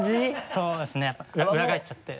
そうですねやっぱ裏返っちゃって。